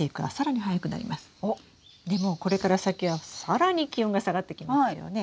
でもこれから先は更に気温が下がってきますよね。